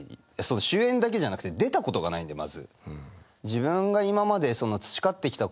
主演だけじゃなくて出たことがないんでまず。